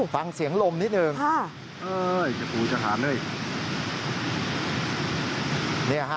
ฟังเสียงลมนิดหนึ่ง